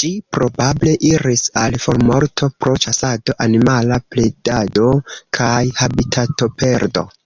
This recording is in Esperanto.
Ĝi probable iris al formorto pro ĉasado, animala predado, kaj habitatoperdo.